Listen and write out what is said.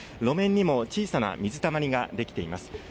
路面にも小さな水たまりが出来ています。